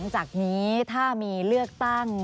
สวัสดีครับทุกคน